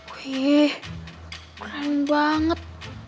wih keren banget